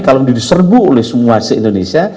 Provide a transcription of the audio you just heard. kalau diserbu oleh semua si indonesia